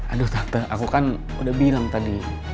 aduh state aku kan udah bilang tadi